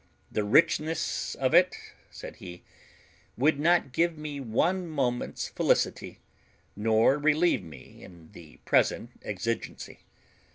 The richness of it," said he, "would not give me one moment's felicity, nor relieve me in the present exigency.